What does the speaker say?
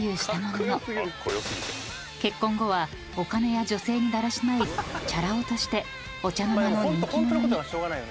［結婚後はお金や女性にだらしないチャラ男としてお茶の間の人気者に］